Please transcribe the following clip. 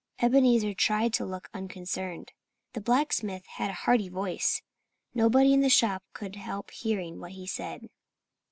Ebenezer tried to look unconcerned. The blacksmith had a hearty voice. Nobody in the shop could help hearing what he said.